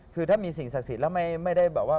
คือถ้ามีสิ่งศักดิ์สิทธิ์แล้วไม่ได้แบบว่า